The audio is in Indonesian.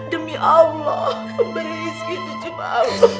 demi allah pemberi rizki itu cuma allah